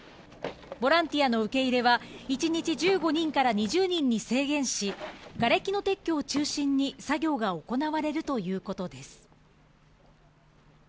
ボランティアの受け入れは一日１５人から２０人に制限し、がれきの撤去を中心に作業が行われるということです。